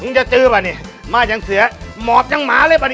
มึงจะเจอป่ะเมื่ออย่างเสือหมอบอย่างมาเลยป่ะนี้